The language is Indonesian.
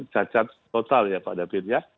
cacat total ya pak david ya